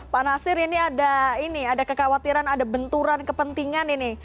pak nasir ini ada kekhawatiran ada benturan kepentingan ini